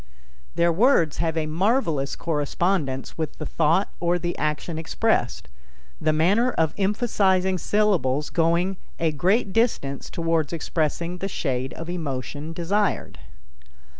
Their words have a marvelous correspondence with the thought or the action expressed, the manner of emphasizing syllables going a great distance toward expressing the shade of emotion desired.